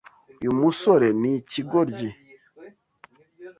Uyu musore ni ikigoryi.